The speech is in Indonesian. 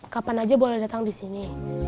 kapan aja boleh datang di sini